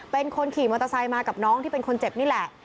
เป็นคนขี่มอเตอร์ไซค์มากับน้องที่เป็นคนเจ็บนี่แหละ